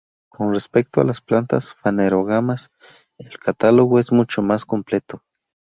Con respecto a las plantas fanerógamas, el catálogo es mucho más completo.